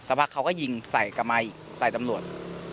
พักเขาก็ยิงใส่กลับมาอีกใส่ตำรวจ